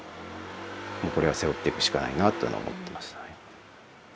これは背負っていくしかないなっていうのは思っています。